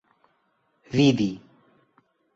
vidi